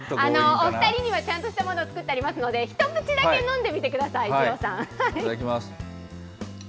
お２人にはちゃんとしたものを作ってありますので、一口だけいただきます。